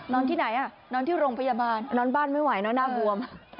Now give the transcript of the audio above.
ที่ไหนนอนที่โรงพยาบาลนอนบ้านไม่ไหวนอนหน้าบวม